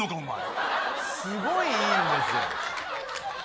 すごい、いいんですよ。